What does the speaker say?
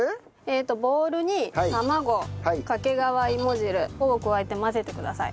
ボウルに卵掛川いも汁を加えて混ぜてください。